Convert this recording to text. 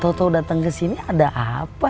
tau tau datang kesini ada apa